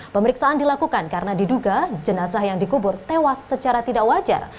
pemeriksaan dilakukan karena diduga jenazah yang dikubur tewas secara tidak wajar